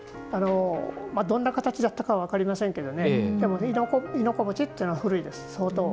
どんな形だったかは分かりませんが亥子餅っていうのは古いです、相当。